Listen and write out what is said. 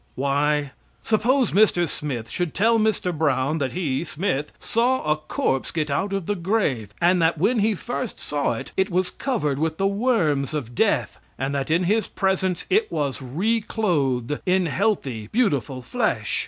Why? Suppose Mr. Smith should tell Mr. Brown that he Smith saw a corpse get out of the grave, and that when he first saw it, it was covered with the worm's of death, and that in his presence it was reclothed in healthy, beautiful flesh.